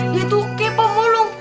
dia tuh kayak pemulung